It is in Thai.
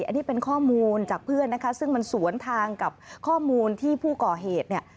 อันนี้เป็นข้อมูลจากเพื่อนนะคะซึ่งมันสวนทางกับข้อมูลที่ผู้ก่อเหตุเนี่ย